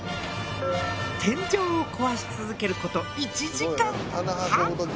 天井を壊し続ける事１時間半。